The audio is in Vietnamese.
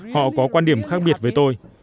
họ có quan điểm khác biệt với tôi